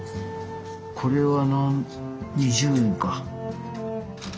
これは２０円か。